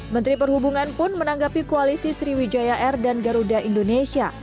menteri perhubungan pun menanggapi koalisi sriwijaya air dan garuda indonesia